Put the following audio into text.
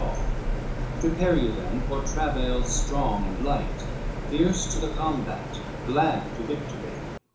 LXVI "Prepare you then for travel strong and light, Fierce to the combat, glad to victory."